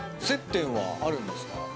接点はあるんですか？